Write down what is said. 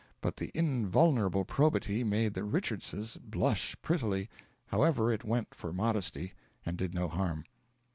But the "invulnerable probity" made the Richardses blush prettily; however, it went for modesty, and did no harm.)